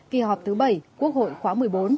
kỳ họp thứ bảy quốc hội khóa một mươi bốn